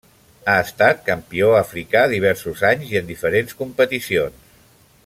Ha estat campió africà diversos anys i en diferents competicions.